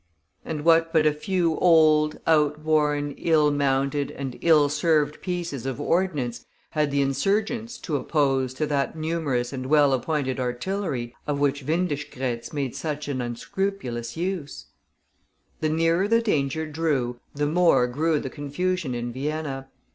And what but a few old, outworn, ill mounted, and ill served pieces of ordnance had the insurgents to oppose to that numerous and well appointed artillery, of which Windischgrätz made such an unscrupulous use? The nearer the danger drew, the more grew the confusion in Vienna.